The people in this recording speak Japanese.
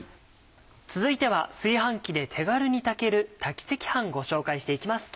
続いては炊飯器で手軽に炊ける炊き赤飯ご紹介していきます。